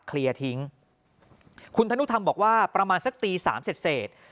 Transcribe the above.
เคลียร์ทิ้งคุณธนุธรรมบอกว่าประมาณสักตีสามเสร็จเสร็จ